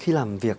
khi làm việc